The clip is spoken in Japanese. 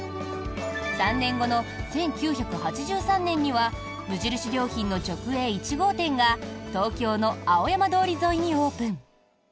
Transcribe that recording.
３年後の１９８３年には無印良品の直営１号店が東京の青山通り沿いにオープン。